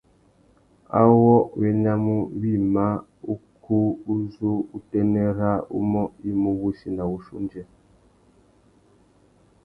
Awô wa enamú wïmá ukú uzu utênê râ umô i mú wussi na wuchiô undjê.